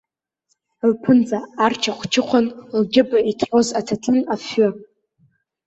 Лԥынҵа арчыхәчыхәуан лџьыба иҭҟьоз аҭаҭын афҩы.